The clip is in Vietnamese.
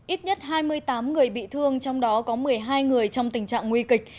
ít nhất hai mươi tám người bị thương trong đó có một mươi hai người trong tình trạng nguy kịch